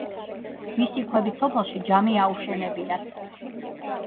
მისი ქვებით სოფელში ჯამე აუშენებიათ.